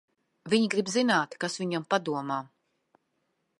Viņi grib zināt, kas viņam padomā.